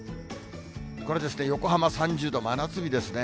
これですね、横浜３０度、真夏日ですね。